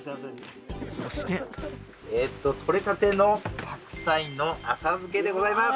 そしてとれたての白菜の浅漬けでございます